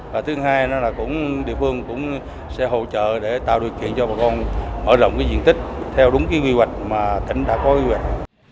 và thứ hai là cũng địa phương cũng sẽ hỗ trợ để tạo điều kiện cho bà con mở rộng cái diện tích theo đúng cái quy hoạch mà tỉnh đã có quy hoạch